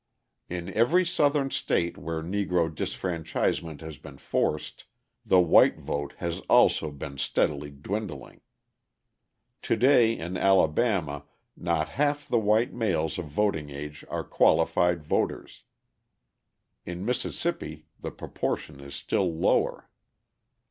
In every Southern state where Negro disfranchisement has been forced, the white vote also has been steadily dwindling. To day in Alabama not half the white males of voting age are qualified voters. In Mississippi the proportion is still lower.